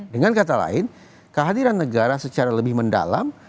dengan kata lain kehadiran negara secara lebih mendalam